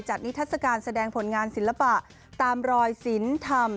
นิทัศกาลแสดงผลงานศิลปะตามรอยศิลป์ธรรม